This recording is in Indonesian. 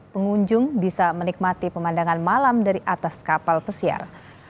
pengunjung bisa menikmati pemandangan malam dari atas kapal pesiar